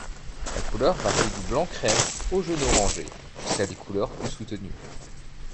Sa couleur varie du blanc-crème au jaune-orangé, jusqu'à des couleurs plus soutenues.